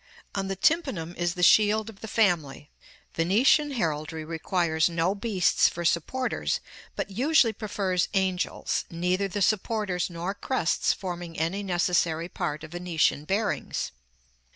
On the tympanum is the shield of the family. Venetian heraldry requires no beasts for supporters, but usually prefers angels, neither the supporters nor crests forming any necessary part of Venetian bearings.